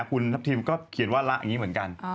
คุณทัพทิมก็เขียนว่าละอย่างนี้เหมือนกัน